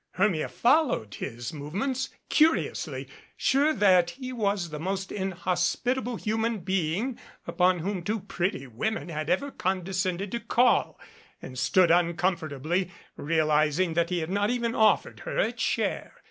Hermia followed his movements curiously, sure that he was the most inhospitable human being upon whom two pretty women had ever condescended to call, and stood uncomfortably, realizing that he had not even of fered her a chair.